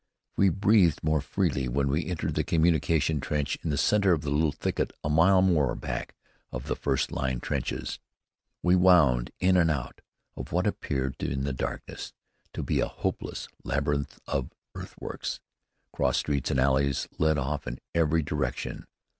We breathed more freely when we entered the communication trench in the center of a little thicket, a mile or more back of the first line trenches. We wound in and out of what appeared in the darkness to be a hopeless labyrinth of earthworks. Cross streets and alleys led off in every direction.